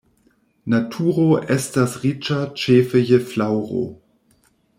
Naturo estas riĉa ĉefe je flaŭro.